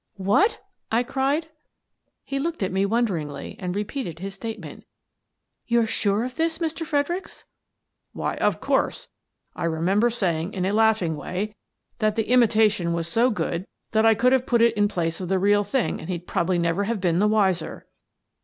"What?" I cried. He looked at me wonderingly and repeated his statement " You're sure of this, Mr. Fredericks? " "Why, of course. I remember saying in a laughing way that the imitation was so good that I could have put it out in place of the real thing and he'd probably never have been the wiser."